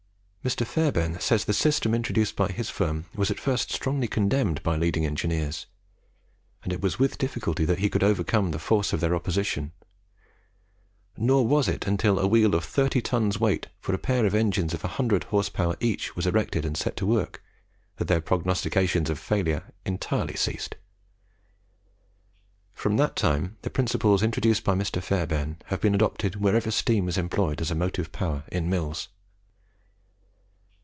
Mr. Fairbairn says the system introduced by his firm was at first strongly condemned by leading engineers, and it was with difficulty that he could overcome the force of their opposition; nor was it until a wheel of thirty tons weight for a pair of engines of 100 horse power each was erected and set to work, that their prognostications of failure entirely ceased. From that time the principles introduced by Mr. Fairbairn have been adopted wherever steam is employed as a motive power in mills.